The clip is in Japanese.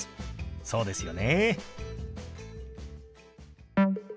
そうですよね。